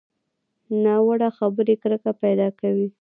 ناوړه خبرې کرکه پیدا کوي